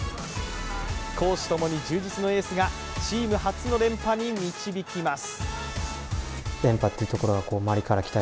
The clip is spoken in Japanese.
公私共に充実のエースがチーム初の連覇に導きます。